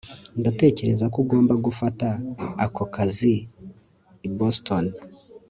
ndatekereza ko ugomba gufata ako kazi i boston